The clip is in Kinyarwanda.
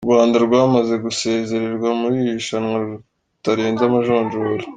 U Rwanda rwamaze gusezererwa muri iri rushanwa rutarenze amajonjora.